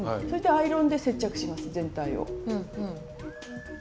そしてアイロンで接着します全体を。